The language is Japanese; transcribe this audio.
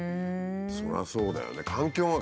そりゃそうだよね。